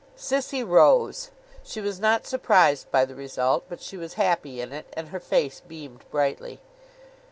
Sissy rose. She was not surprised by the result, but she was happy in it, and her face beamed brightly.